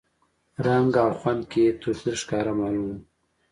رنګ او خوند کې یې توپیر ښکاره معلوم و.